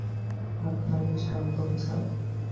আপনাকে স্বাগতম, স্যার!